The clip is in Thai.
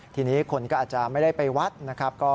ทีนี้คนก็อาจจะไม่ได้ไปวัดนะครับ